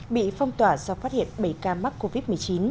bị phong tỏa do phát hiện bảy ca mắc covid một mươi chín